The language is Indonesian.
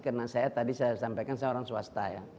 karena saya tadi saya sampaikan saya orang swasta ya